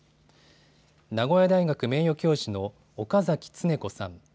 名古屋大学名誉教授の岡崎恒子さん。